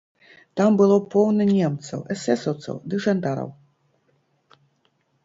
Там было поўна немцаў, эсэсаўцаў ды жандараў.